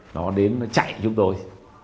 nó đến nó chạy chúng tôi